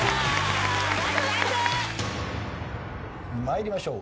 参りましょう。